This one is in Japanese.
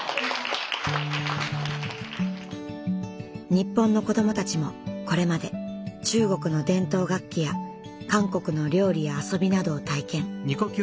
日本の子どもたちもこれまで中国の伝統楽器や韓国の料理や遊びなどを体験。